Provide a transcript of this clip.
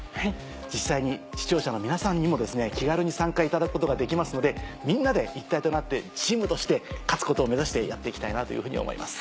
実際に視聴者の皆さんにも気軽に参加いただくことができますのでみんなで一体となってチームとして勝つことを目指してやって行きたいなというふうに思います。